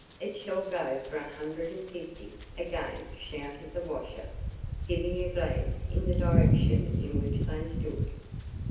"It shall go for a hundred and fifty!" again shouted the washer, giving a glance in the direction in which they stood.